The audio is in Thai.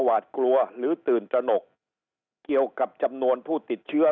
หวาดกลัวหรือตื่นตระหนกเกี่ยวกับจำนวนผู้ติดเชื้อ